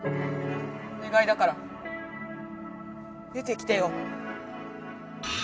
おねがいだから出てきてよ。